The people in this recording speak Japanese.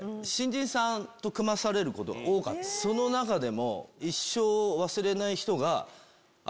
その中でも。